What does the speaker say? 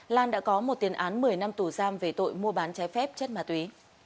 lan đã có một tiền án một mươi năm tù giam về tội mua bán trái phép chất ma túy